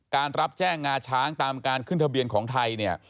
การรับแจ้งงาช้างตามการขึ้นทะเบียนของไทย